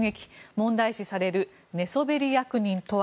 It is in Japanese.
問題視される寝そべり役人とは。